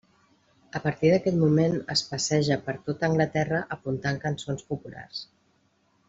A partir d'aquell moment es passeja per tot Anglaterra apuntant cançons populars.